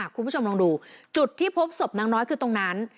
คุณผู้ชมลองดูจุดที่พบศพนางน้อยคือตรงนั้น